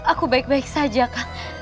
aku baik baik saja kak